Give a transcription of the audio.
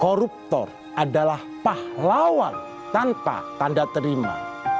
koruptor adalah pahlawan tanpa tanda terima